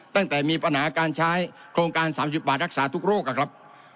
ตั้งแต่มีปัญหาการใช้โครงการ๓๐บาทรักษาทุกโรคนะครับ